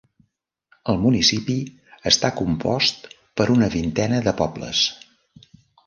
El municipi està compost per una vintena de pobles.